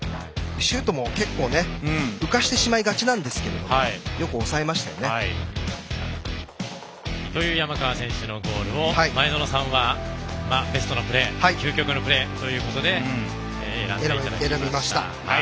シュートも結構浮かしてしまいがちですけどよく抑えましたよね。という山川選手のゴールを前園さんはベストのプレー究極のプレーということで選んでいただきました。